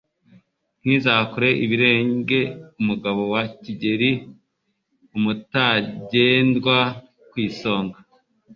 Ntizakure ibirenge umugabo wa Kigeli.Umutagendwa ku isonga